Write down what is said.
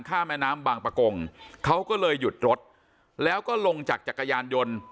แม่น้ำบางประกงเขาก็เลยหยุดรถแล้วก็ลงจากจักรยานยนต์